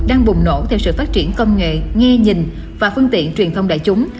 đang bùng nổ theo sự phát triển công nghệ nghe nhìn và phương tiện truyền thông đại chúng